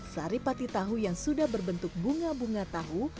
sari pati tahu yang sudah berbentuk bunga bunga tahu